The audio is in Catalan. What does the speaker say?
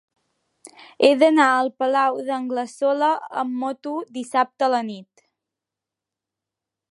He d'anar al Palau d'Anglesola amb moto dissabte a la nit.